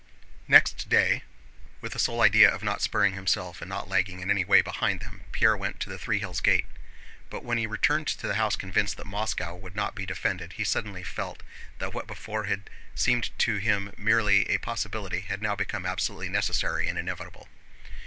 Next day, with the sole idea of not sparing himself and not lagging in any way behind them, Pierre went to the Three Hills gate. But when he returned to the house convinced that Moscow would not be defended, he suddenly felt that what before had seemed to him merely a possibility had now become absolutely necessary and inevitable.